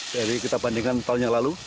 dari kita bandingkan tahun yang lalu